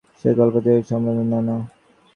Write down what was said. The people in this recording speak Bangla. সেই কল্পনাতেই ওর সান্ত্বনা।